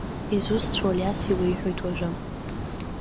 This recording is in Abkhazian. Изусҭцәоу Алиас иуеиҳәоит уажәы.